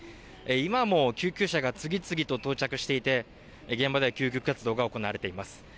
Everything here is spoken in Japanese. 今も救急車が次々と到着していて現場では救助活動が行われています。